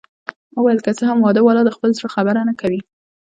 ما وویل: که څه هم واده والا د خپل زړه خبره نه کوي.